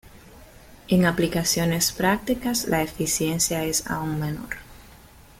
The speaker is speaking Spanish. En aplicaciones prácticas, la eficiencia es aun menor.